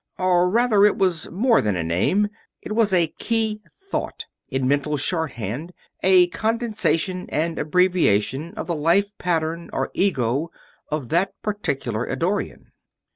Or, rather, it was more than a name. It was a key thought, in mental shorthand; a condensation and abbreviation of the life pattern or ego of that particular Eddorian.